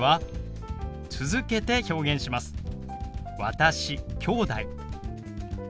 「私」「きょうだい」。